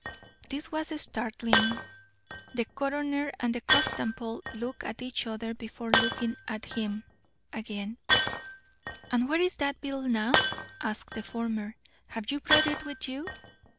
This was startling. The coroner and the constable looked at each other before looking again at him. "And where is that bill now?" asked the former. "Have you brought it with you?"